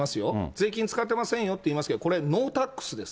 税金使ってませんよって言いますけど、これ、ノータックスです。